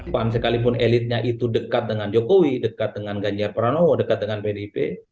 pan sekalipun elitnya itu dekat dengan jokowi dekat dengan ganjar pranowo dekat dengan pdip